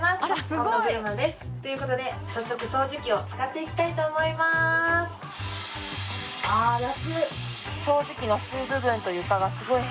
紺野ぶるまですということで早速掃除機を使っていきたいと思いますあ楽！